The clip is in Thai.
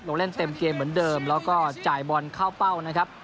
ลงเล่นเต็มเกมเหมือนเดิมแล้วก็จ่ายบอลเข้าเป้านะครับ